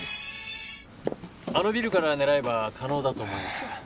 あのビルから狙えば可能だと思います。